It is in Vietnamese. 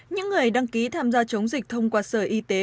những người đăng ký tham gia chống dịch thông qua sở y tế